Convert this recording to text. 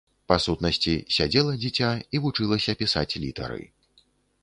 Па сутнасці, сядзела дзіця і вучылася пісаць літары.